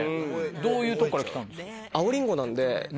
どういうとこからきたんですか？